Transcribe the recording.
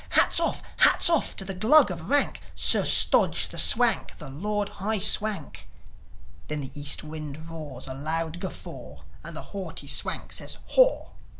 Hats off! Hats off to the Glug of rank! Sir Stodge, the Swank, the Lord High Swank!" Then the East wind roars a loud guffaw, And the haughty Swank says, "Haw!"